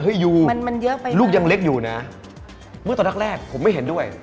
เฮ้ยยูลูกยังเล็กอยู่นะเมื่อตอนดักแรกผมไม่เห็นด้วย